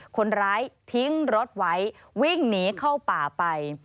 คนร้ายทิ้งรถไว้วิ่งหนีเข้าป่าไป